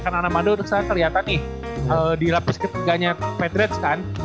karena anamando ternyata keliatan nih dilapis keteganya patriots kan